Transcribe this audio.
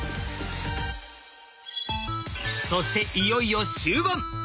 そしていよいよ終盤。